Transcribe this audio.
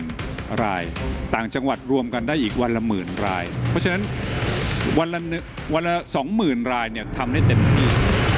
เพราะฉะนั้นวันละหนึ่งวันละสองหมื่นรายเนี่ยทำได้เต็มที่